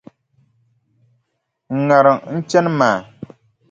N ŋariŋ n chani maa!”.